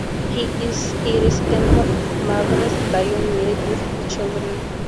He is a resident of Mevaseret Zion and married with four children.